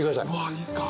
いいですか？